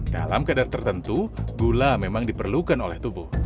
dalam kadar tertentu gula memang diperlukan oleh tubuh